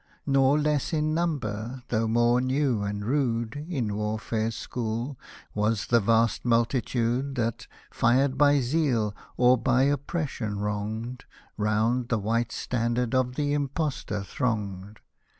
Nor less in number, though more new and rude In warfare's school, was the vast multitude That, fired by zeal, or by oppression wronged, Round the white standard of the impostor thronged.